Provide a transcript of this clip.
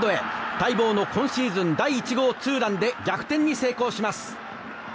待望の今シーズン第１号ツーランで逆転に成功します。